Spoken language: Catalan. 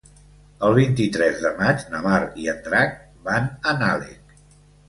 El vint-i-tres de maig na Mar i en Drac van a Nalec.